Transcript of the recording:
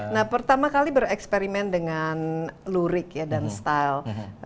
nah pertama kali bereksperimen dengan lurik ya dan style